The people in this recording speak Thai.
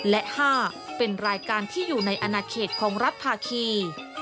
และ๕เป็นรายการที่อยู่ในอนาเขตของรัฐภาคี